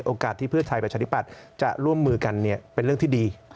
โอกาสที่เพื่อไทยประชาธิปัตย์จะร่วมมือกันเป็นเรื่องที่ดี